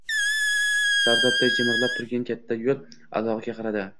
Sarobday jimirlab turgan katta yo‘l adog‘iga qaradi.